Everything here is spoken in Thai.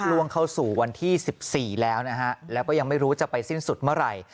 ล่วงเข้าสู่วันที่๑๔แล้วนะฮะแล้วก็ยังไม่รู้จะไปสิ้นสุดเมื่อไหร่